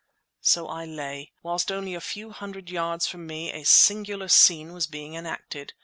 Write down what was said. So I lay, whilst only a few hundred yards from me a singular scene was being enacted.